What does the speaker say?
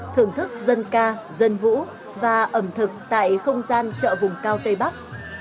thưởng thức dân ca dân vũ và ẩm thực tại không gian chợ vùng cao tây bắc